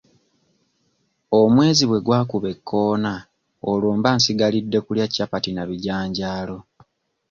Omwezi bwe gwakuba ekoona olwo mba nsigalidde kulya capati na bijanjaalo.